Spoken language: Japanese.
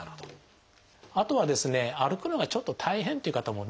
あとはですね歩くのがちょっと大変っていう方もね